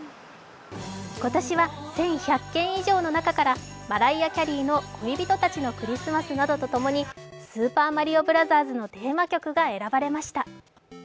今年は１１００件以上の中からマライア・キャリーの「恋人たちのクリスマス」などとともに、「スーパーマリオブラザーズ」のテーマ曲が選ばれました。